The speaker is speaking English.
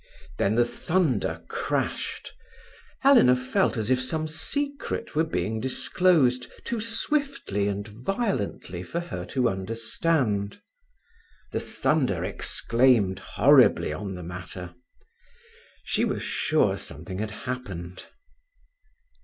Then the thunder crashed. Helena felt as if some secret were being disclosed too swiftly and violently for her to understand. The thunder exclaimed horribly on the matter. She was sure something had happened.